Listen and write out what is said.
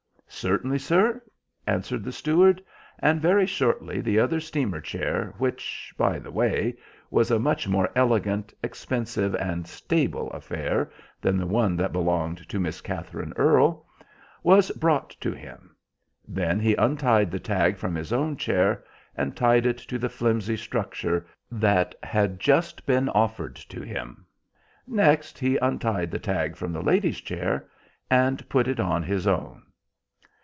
"Certainly, sir," answered the steward, and very shortly the other steamer chair, which, by the way, was a much more elegant, expensive, and stable affair than the one that belonged to Miss Katherine Earle, was brought to him. Then he untied the tag from his own chair and tied it to the flimsy structure that had just been offered to him; next he untied the tag from the lady's chair and put it on his own.